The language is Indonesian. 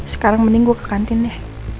sekarang mending gue ke kantin deh